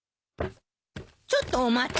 ちょっとお待ち。